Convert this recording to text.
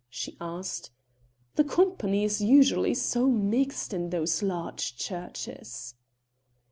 she asked. "The company is usually so mixed in those large churches."